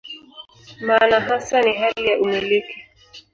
Maana hasa ni hali ya "umiliki".